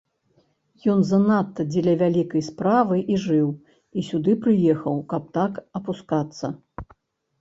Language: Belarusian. Ён занадта дзеля вялікай справы і жыў, і сюды прыехаў, каб так апускацца.